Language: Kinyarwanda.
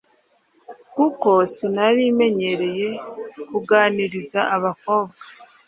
kuko sinari menyereye kuganiriza abakobwa.